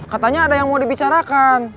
katanya ada yang mau dibicarakan